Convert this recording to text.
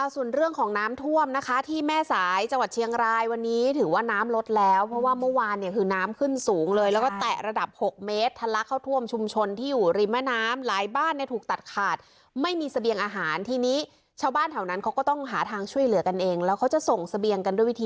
ส่วนเรื่องของน้ำท่วมนะคะที่แม่สายจังหวัดเชียงรายวันนี้ถือว่าน้ำลดแล้วเพราะว่าเมื่อวานเนี่ยคือน้ำขึ้นสูงเลยแล้วก็แตะระดับ๖เมตรทะลักเข้าท่วมชุมชนที่อยู่ริมแม่น้ำหลายบ้านเนี่ยถูกตัดขาดไม่มีเสบียงอาหารทีนี้ชาวบ้านแถวนั้นเขาก็ต้องหาทางช่วยเหลือกันเองแล้วเขาจะส่งเสบียงกันด้วยวิธี